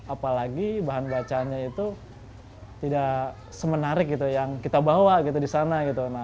apalagi bahan bacaannya itu tidak semenarik yang kita bawa di sana